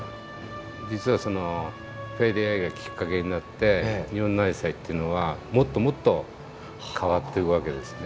実はそのフェアリーアイがきっかけになって日本のアジサイっていうのはもっともっと変わってくわけですね。